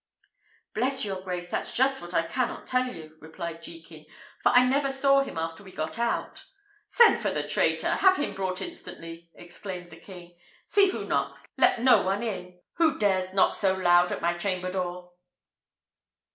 "Bless your grace! that's just what I cannot tell you," replied Jekin; "for I never saw him after we got out." "Send for the traitor! have him brought instantly!" exclaimed the king. "See who knocks! Let no one in! Who dares knock so loud at my chamber door?"